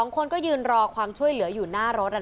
๒คนก็ยืนรอความช่วยเหลืออยู่หน้ารถ